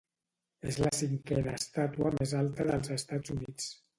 És la cinquena estàtua més alta dels Estats Units.